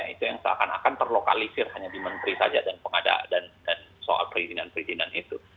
itu yang seakan akan terlokalisir hanya di menteri saja dan soal perizinan perizinan itu